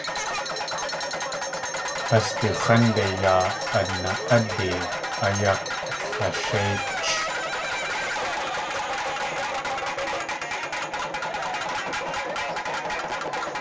Has du x̲ánde yaa ana.ádi ayaklashéich.